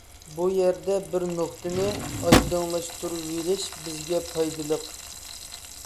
بۇ يەردە بىر نۇقتىنى ئايدىڭلاشتۇرۇۋېلىش بىزگە پايدىلىق.